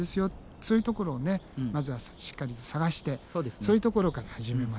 そういうところをまずはしっかりと探してそういうところから始めましょう。